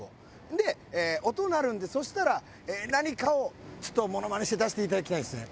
で音鳴るんでそしたら何かをモノマネして出していただきたいんですね。